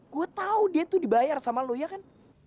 gua tau dia tuh dibayar sama lu ya kan